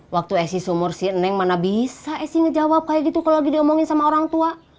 waktu esi sumur si neng mana bisa essi ngejawab kayak gitu kalau lagi diomongin sama orang tua